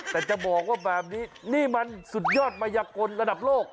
แต่จะบอกว่าแบบนี้นี่มันสุดยอดมัยกลระดับโลก